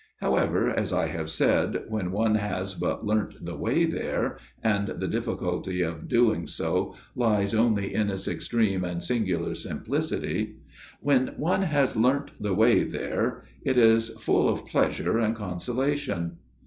... However, as I have said, when one has but learnt the way there and the difficulty of doing so lies only in its extreme and singular simplicity when one has learnt the way there it is full of pleasure and consolation.